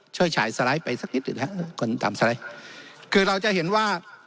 ช่วยฉายสไลด์ไปสักนิดหนึ่งครับคือเราจะเห็นว่า